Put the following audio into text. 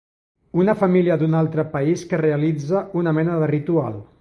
Una família d'un altre país que realitza una mena de ritual.